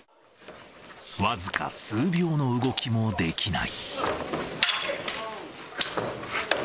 僅か数秒の動きもできない。